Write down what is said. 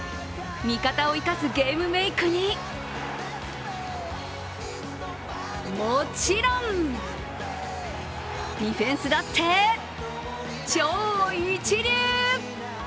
味方を生かすゲームメークにもちろん、ディフェンスだって超一流！